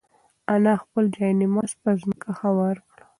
انا خپل جاینماز په ځمکه هوار کړ.